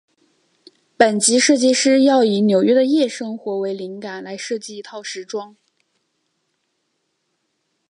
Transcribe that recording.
本集设计师要以纽约的夜生活为灵感来设计一套时装。